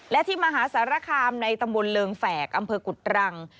และที่มหาสารคามในตำบลเริงแฝกอำเภอกุฎรัง